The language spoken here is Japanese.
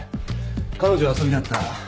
彼女は遊びだった。